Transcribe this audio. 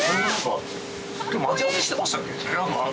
きょう待ち合わせしてましたっけ？